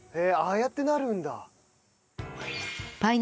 ああやってなるんだ。